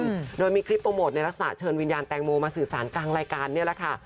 อืมโดยมีคลิปโปรโมทในลักษณะเชิญวิญญาณแตงโมมาสื่อสารกลางรายการเนี้ยแหละค่ะ